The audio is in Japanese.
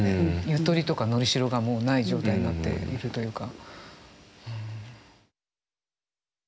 ゆとりとかのりしろがもうない状態になっているというか。